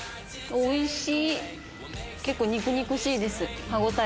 おいしい！